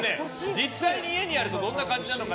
実際に家にあるとどんな感じか